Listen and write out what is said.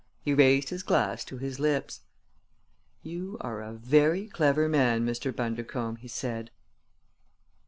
He raised his glass to his lips. "You are a very clever man, Mr. Bundercombe!" he said.